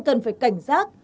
cần phải cảnh giác